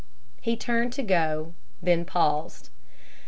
He turned to go, then paused.